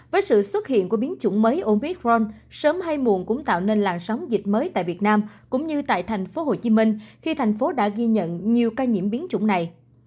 với sự xuất hiện của biến chủng mới omid ron sớm hay muộn cũng tạo nên làn sóng dịch mới tại việt nam cũng như tại tp hcm khi thành phố đã ghi nhận nhiều ca nhiễm biến chủng này